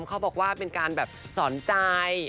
เขาบอกว่าเป็นการแบบสอนใจ